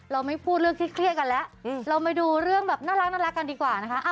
เราไม่พูดเรื่องเครียดกันแล้วเรามาดูเรื่องแบบน่ารักกันดีกว่านะคะ